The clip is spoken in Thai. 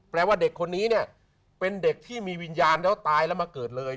ว่าเด็กคนนี้เนี่ยเป็นเด็กที่มีวิญญาณแล้วตายแล้วมาเกิดเลย